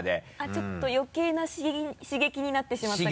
ちょっと余計な刺激になってしまったかも。